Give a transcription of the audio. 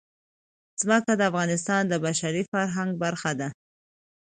ځمکه د افغانستان د بشري فرهنګ برخه ده.